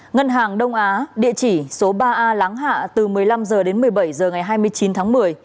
ngân hàng đông á địa chỉ số ba a láng hạ từ một mươi năm h đến một mươi bảy h ngày hai mươi chín tháng một mươi